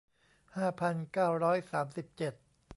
ห้าพันเก้าร้อยสามสิบเจ็ด